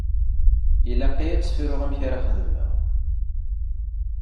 Ilaq-iyi ad tt-fruɣ amek ara xedmeɣ.